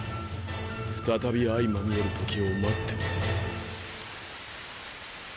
再び相まみえる時を待っておるぞ。